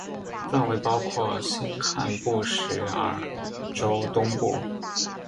范围包括新罕布什尔州东部。